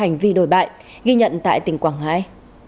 hành vi đồi bại ghi nhận tại tỉnh quảng ngãi